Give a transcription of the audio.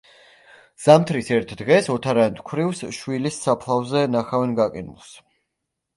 ზამთრის ერთ დღეს ოთარაანთ ქვრივს შვილის საფლავზე ნახავენ გაყინულს.